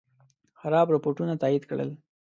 خراب رپوټونه تایید کړل.